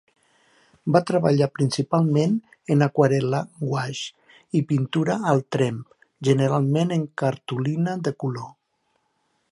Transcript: Va treballar principalment en aquarel·la, guaix, i pintura al tremp, generalment en cartolina de color.